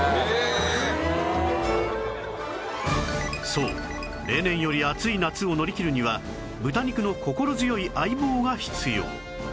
そう例年より暑い夏を乗り切るには豚肉の心強い相棒が必要